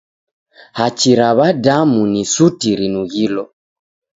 Hachi ra w'adamu ni suti rinughilo.